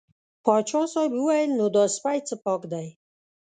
پاچا صاحب وویل نو دا سپی څه پاک دی.